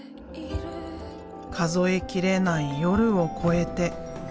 数えきれない夜を超えて。